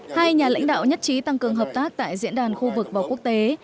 hai nhà lãnh đạo nhất trí tăng cường hợp tác tại diễn đàn khu vực và quốc tế